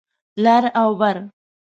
لر او بر